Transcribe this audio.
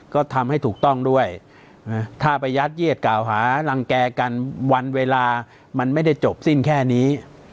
ก็ทำให้ถูกต้องด้วยถ้าไปยัดเยียดกล่าวหารังแก่กันวันเวลามันไม่ได้จบสิ้นแค่นี้